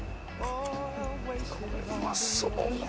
これうまそうな。